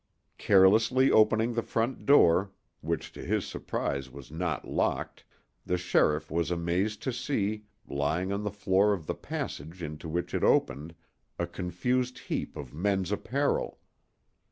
Carelessly opening the front door, which to his surprise was not locked, the sheriff was amazed to see, lying on the floor of the passage into which it opened, a confused heap of men's apparel.